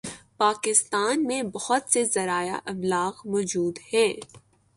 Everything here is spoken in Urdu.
پاکستان میں بہت سے ذرائع ابلاغ موجود ہیں